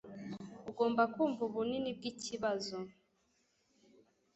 Ugomba kumva ubunini bwikibazo.